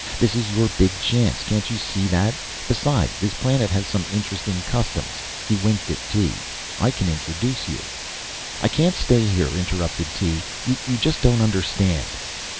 This is your big chance, can't you see that. Besides, this planet has some interesting customs." He winked at Tee. "I can introduce you " "I can't stay here," interrupted Tee. "You just don't understand."